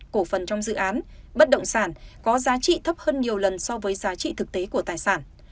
cổ phần trong dự án bất động sản có giá trị thấp hơn nhiều lần so với giá trị thực tế của tài sản